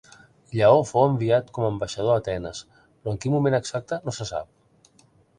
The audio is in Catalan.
Lleó fou enviat com ambaixador a Atenes però en quin moment exacte no se sap.